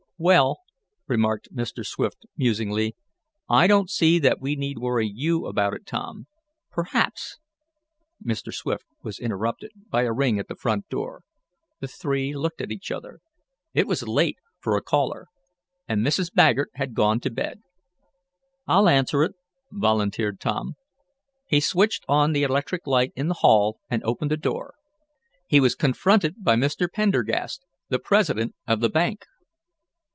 "Well," remarked Mr. Swift musingly, "I don't see that we need worry you about it, Tom. Perhaps " Mr. Swift was interrupted by a ring at the front door. The three looked at each other. It was late for a caller, and Mrs. Baggert had gone to bed. "I'll answer it," volunteered Tom. He switched on the electric light in the hall, and opened the door. He was confronted by Mr. Pendergast, the president of the bank.